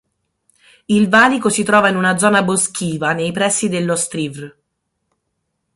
Il valico si trova in una zona boschiva nei pressi dell'Ostri vrh.